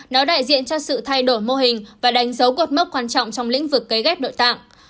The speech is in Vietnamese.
nó đại diện cho sự thay đổi mô hình và đánh dấu cuộc mốc quan trọng trong lĩnh vực kế ghép đội tạng